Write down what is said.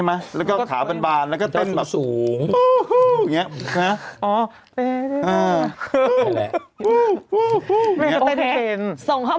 ไม่คุ้นด้วยเลยอะมันไม่คุ้นด้วยเรื่องเลย